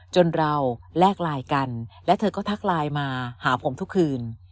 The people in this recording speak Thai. จนเราแลกไลน์กันและเธอก็ทักไลน์มาหาผมทุกคืน